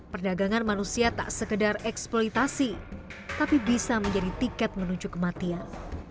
perdagangan manusia tak sekedar eksploitasi tapi bisa menjadi tiket menuju kematian